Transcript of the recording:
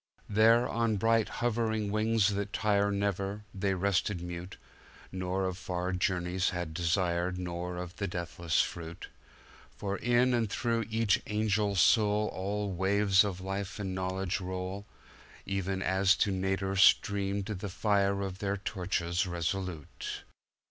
There, on bright hovering wings that tire Never, they rested mute, Nor of far journeys had desire, Nor of the deathless fruit; For in and through each angel soulAll waves of life and knowledge roll, Even as to nadir streamed the fire Of their torches resolute.